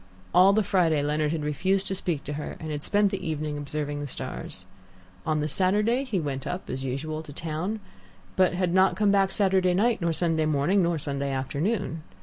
All the Friday Leonard had refused to speak to her, and had spent the evening observing the stars. On the Saturday he went up, as usual, to town, but he came not back Saturday night nor Sunday morning, nor Sunday afternoon.